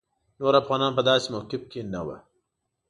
نور افغانان په داسې موقف کې نه وو.